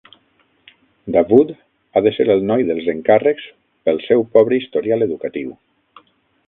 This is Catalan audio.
Davoud ha de ser el noi dels encàrrecs pel seu pobre historial educatiu.